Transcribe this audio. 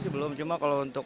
belum cuma kalau untuk